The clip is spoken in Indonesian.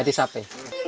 iya di sapi